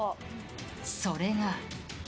それが。